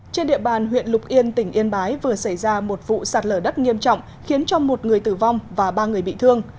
trên địa bàn huyện lục yên tỉnh yên bái vừa xảy ra một vụ sạt lở đất nghiêm trọng khiến cho một người tử vong và ba người bị thương